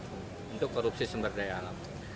nomor satu terburuk untuk korupsi sumber daya alam